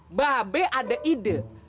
mbak be ada ide